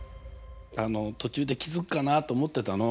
途中で気付くかなって思ってたの。